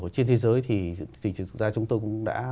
trên thế giới thì thực ra chúng tôi cũng đã